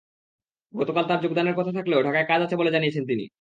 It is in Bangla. গতকাল তাঁর যোগদানের কথা থাকলেও ঢাকায় কাজ আছে বলে জানিয়েছেন তিনি।